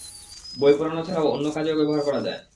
বই পোড়ানো ছাড়াও অন্য কাজেও ব্যবহার করা যায়!